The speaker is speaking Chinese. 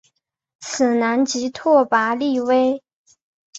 此男即拓跋力微。